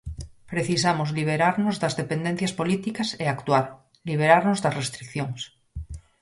Precisamos liberarnos das dependencias políticas e actuar, liberarnos das restricións.